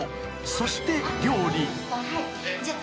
［そして料理］